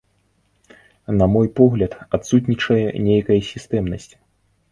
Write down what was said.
На мой погляд, адсутнічае нейкая сістэмнасць.